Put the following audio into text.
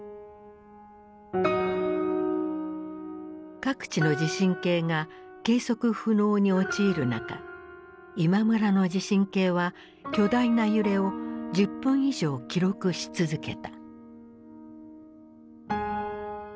各地の地震計が計測不能に陥る中今村の地震計は巨大な揺れを１０分以上記録し続けた。